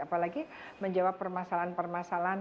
apalagi menjawab permasalahan permasalahan